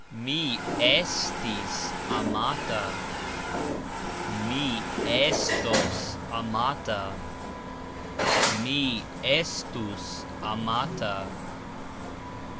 Mi estis amata. Mi estos amata. Mi estus amata.